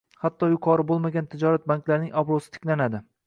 Hatto yuqori bo'lmagan tijorat banklarining obro'si tiklanadi